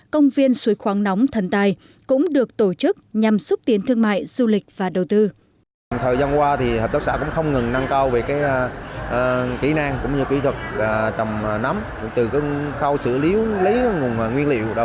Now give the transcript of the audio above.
công viên suối khoáng nóng thần tài cũng được tổ chức nhằm xúc tiến thương mại du lịch và đầu tư